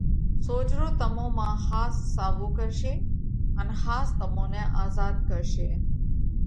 سوجھرو تمون مانه ۿاس ساوَو ڪرشي، ان ۿاس تمون نئہ آزاڌ ڪرشي۔